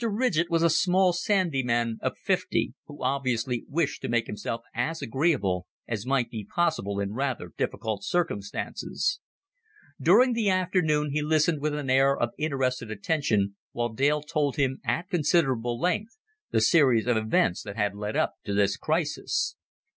Ridgett was a small sandy man of fifty, who obviously wished to make himself as agreeable as might be possible in rather difficult circumstances. During the afternoon he listened with an air of interested attention while Dale told him at considerable length the series of events that had led up to this crisis.